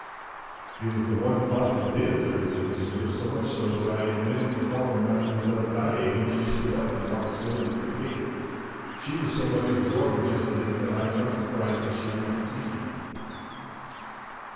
"It was the one thought that did occur to me, monsieur, so much so that I omitted to follow Mlle. Daae, when she stood up and walked slowly to the gate. She was so much absorbed just then that I am not surprised that she did not see me."